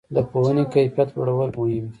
د پوهنې کیفیت لوړول مهم دي؟